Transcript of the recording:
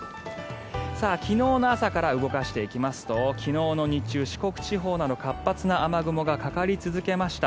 昨日の朝から動かしていきますと昨日の日中、四国地方などに活発な雨雲がかかり続けました。